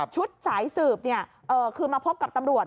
สายสืบคือมาพบกับตำรวจ